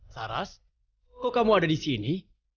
saras kok kamu ada di sini